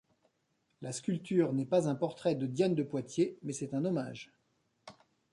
La sculpture n'est pas un portrait de Diane de Poitiers, mais c'est un hommage.